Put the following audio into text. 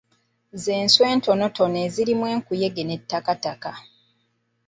Z'enswa entonotono ezirimu enkuyege n'ettakataka.